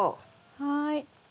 はい。